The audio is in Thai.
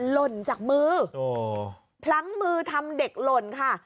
หล่นจากมือพลั้งมือทำเด็กหล่นค่ะ